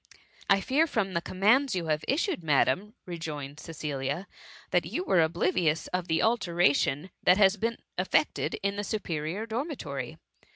^^^ I fear from the commands you have issued, Madam,^^ rejoined Cecilia, " that you were ob livious of the alteration that has been effected in the superior dormitory.